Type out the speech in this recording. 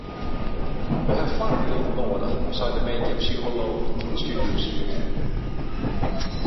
We ha foarbylden noadich sei de mediapsycholooch dy't yn de studio siet.